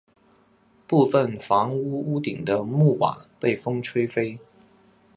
部分房屋屋顶的木瓦被风吹飞。